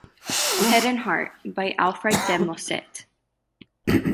Head and Heart, by Alfred de Musset.